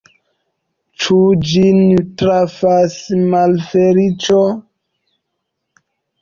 Ĉu ĝin trafas malfeliĉo?